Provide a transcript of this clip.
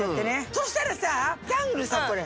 そしたらさジャングルさこれ。